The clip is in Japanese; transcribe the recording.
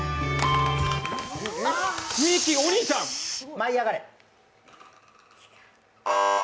まいあがれ？